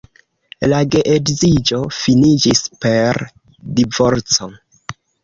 La geedziĝo finiĝis per divorco.